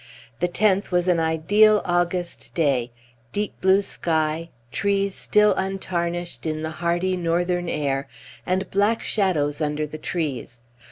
The tenth was an ideal August day: deep blue sky, trees still untarnished in the hardy northern air, and black shadows under the trees.